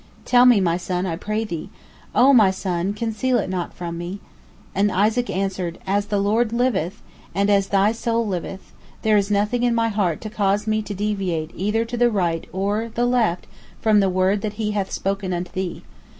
Tell me, my son, I pray thee! O my son, conceal it not from me." And Isaac answered, "As the Lord liveth, and as thy soul liveth, there is nothing in my heart to cause me to deviate either to the right or the left from the word that He hath spoken unto thee.